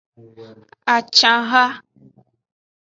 Acanha.